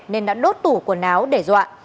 nên đã đốt tủ quần áo để dọa